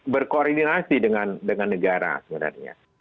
berkoordinasi dengan negara sebenarnya